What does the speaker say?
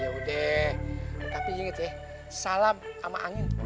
ya udah tapi inget ya salam sama angin